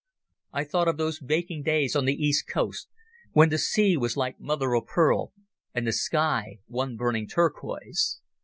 I thought of those baking days on the east coast, when the sea was like mother of pearl and the sky one burning turquoise.